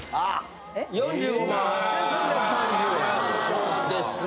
そうですね。